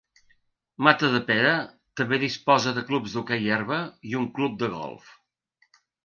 Matadepera també disposa de clubs d’hoquei herba i un club de golf.